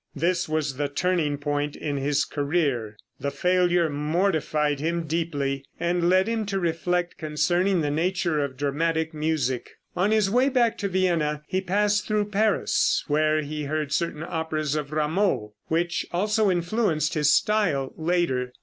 This was the turning point in his career. The failure mortified him deeply, and led him to reflect concerning the nature of dramatic music. On his way back to Vienna he passed through Paris, where he heard certain operas of Rameau, which also influenced his style later.